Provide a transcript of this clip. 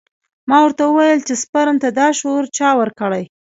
ما ورته وويل چې سپرم ته دا شعور چا ورکړى.